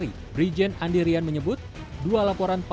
direktur lpsk pak jokowi mengatakan ini perlu perlindungan lpsk atau tidak